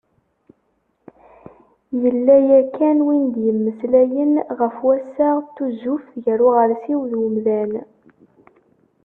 Yella yakan win d-yemmeslayen ɣef wassaɣ n tuzuft gar uɣersiw d umdan.